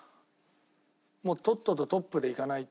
もうとっととトップでいかないと。